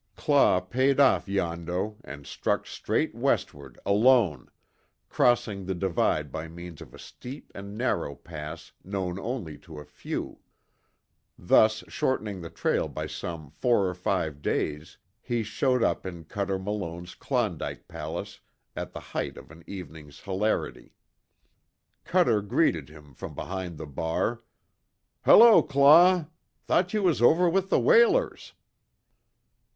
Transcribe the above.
Claw paid off Yondo and struck straight westward alone, crossing the divide by means of a steep and narrow pass known only to a few. Thus, shortening the trail by some four or five days, he showed up in Cuter Malone's Klondike Palace at the height of an evening's hilarity. Cuter greeted him from behind the bar: "Hello, Claw! Thought you was over with the whalers!"